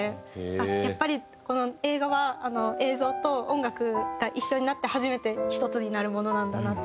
やっぱり映画は映像と音楽が一緒になって初めて一つになるものなんだなって